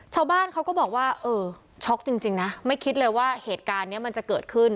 ชาวบ้านเขาก็บอกว่าเออช็อกจริงนะไม่คิดเลยว่าเหตุการณ์นี้มันจะเกิดขึ้น